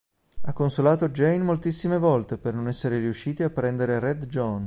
Ha consolato Jane moltissime volte per non essere riusciti a prendere Red John.